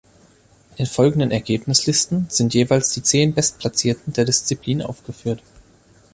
In den folgenden Ergebnislisten sind jeweils die zehn Bestplatzierten der Disziplin angeführt.